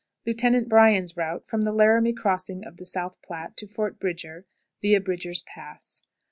Lieutenant BRYAN'S Route from the Laramie Crossing of the South Platte to Fort Bridger, via Bridger's Pass. Miles.